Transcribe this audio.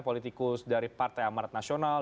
politikus dari partai amarat nasional